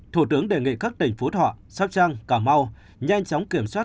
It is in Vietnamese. thủ tướng đề nghị các tỉnh phú thọ sóc trăng cà mau nhanh chóng kiểm soát